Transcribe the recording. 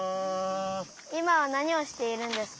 いまはなにをしているんですか？